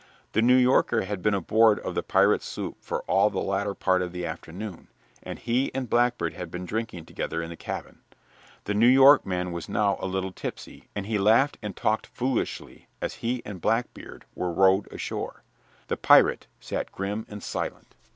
The New Yorker had been aboard of the pirate's sloop for all the latter part of the afternoon, and he and Blackbeard had been drinking together in the cabin. The New York man was now a little tipsy, and he laughed and talked foolishly as he and Blackbeard were rowed ashore. The pirate sat grim and silent.